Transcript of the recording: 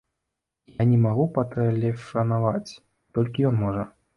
Я не магу патэлефанаваць, толькі ён можа.